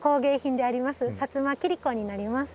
摩切子になります。